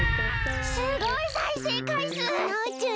すごいさいせいかいすう！